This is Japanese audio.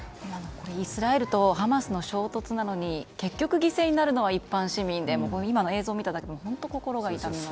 イスラエルとハマスの衝突なのに結局、犠牲になるのは一般市民で今の映像を見ただけでも本当に心が痛みます。